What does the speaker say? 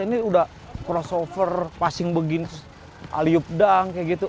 ini udah crossover passing begin aliup dang kayak gitu